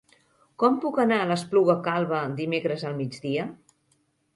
Com puc anar a l'Espluga Calba dimecres al migdia?